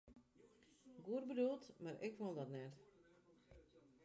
Goed bedoeld, mar ik wol dat net.